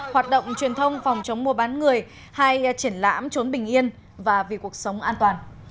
hoạt động truyền thông phòng chống mua bán người hay triển lãm trốn bình yên và vì cuộc sống an toàn